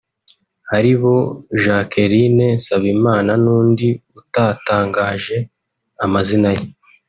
aribo Jacqueline Nsabimana n’undi utatangaje amazi ye